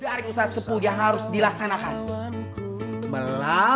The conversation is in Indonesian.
allah tuhan kita semua